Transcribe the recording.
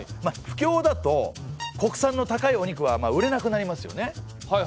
不況だと国産の高いお肉は売れなくなりますよね。